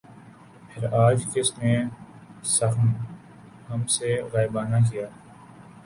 پھر آج کس نے سخن ہم سے غائبانہ کیا